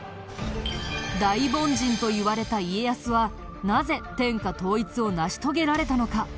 大凡人といわれた家康はなぜ天下統一を成し遂げられたのか？